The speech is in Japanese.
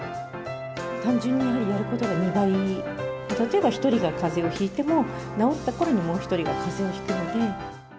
単純にやはりやることが２倍、例えば１人がかぜをひいても、治ったころにもう１人がかぜをひくので。